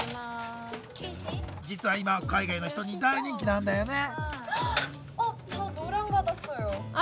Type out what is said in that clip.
実は今海外の人に大人気なんだよね。